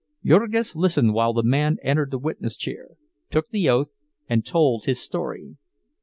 Jurgis listened while the man entered the witness chair, took the oath, and told his story.